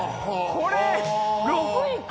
これ６位か？